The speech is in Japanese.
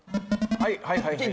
はいはいはい。